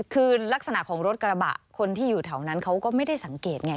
คือลักษณะของรถกระบะคนที่อยู่แถวนั้นเขาก็ไม่ได้สังเกตไง